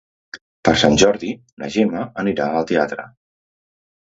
Per Sant Jordi na Gemma anirà al teatre.